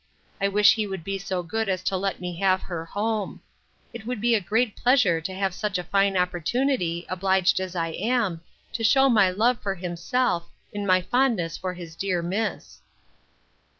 I wish he would be so good as to let me have her home. It would be a great pleasure to have such a fine opportunity, obliged as I am, to shew my love for himself, in my fondness for his dear miss.